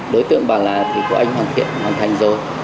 đối tượng bảo là thì của anh hoàn thiện hoàn thành rồi